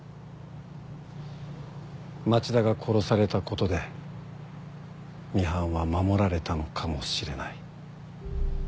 町田が殺されたことでミハンは守られたのかもしれない。